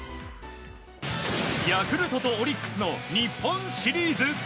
ヤクルトとオリックスの日本シリーズ。